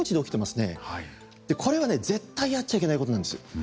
これはね絶対やっちゃいけないことなんですよ。